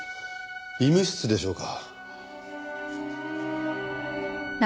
医務室でしょうか？